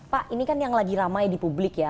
pak ini kan yang lagi ramai di publik ya